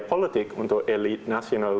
politik untuk elit nasional